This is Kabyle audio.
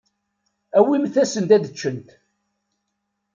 Awimt-asen-d ad ččent.